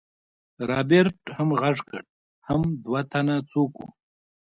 رابرټ هم غږ کړ حم دوه تنه څوک وو.